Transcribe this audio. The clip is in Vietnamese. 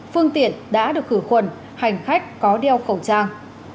phương tiện đã được khử khuẩn hành khách có đeo khẩu trang